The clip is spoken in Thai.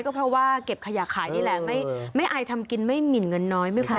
ก็เพราะว่าเก็บขยะขายนี่แหละ